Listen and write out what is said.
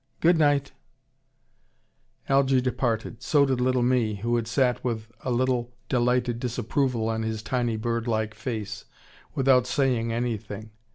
Good night " Algy departed, so did little Mee, who had sat with a little delighted disapproval on his tiny, bird like face, without saying anything.